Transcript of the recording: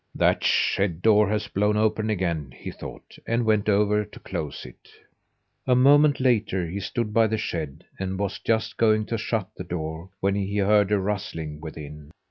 "That shed door has blown open again," he thought, and went over to close it. A moment later he stood by the shed and was just going to shut the door, when he heard a rustling within.